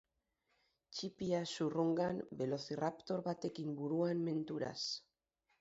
Ttipia zurrungan, velociraptor batekin buruan menturaz.